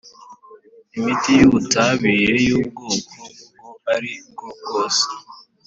imiti y ubutabire y ubwoko ubwo ari bwo bwose